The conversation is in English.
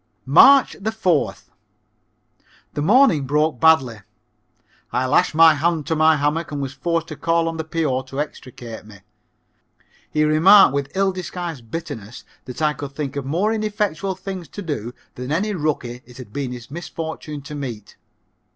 March 4th. The morning broke badly. I lashed my hand to my hammock and was forced to call on the P.O. to extricate me. He remarked, with ill disguised bitterness, that I could think of more ineffectual things to do than any rookie it had been his misfortune to meet.